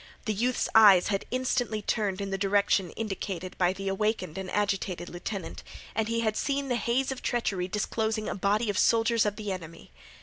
The youth's eyes had instantly turned in the direction indicated by the awakened and agitated lieutenant, and he had seen the haze of treachery disclosing a body of soldiers of the enemy.